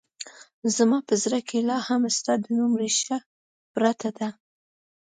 زما په زړه کې لا هم ستا د نوم رېښه پرته ده